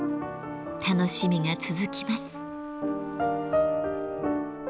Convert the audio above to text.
楽しみが続きます。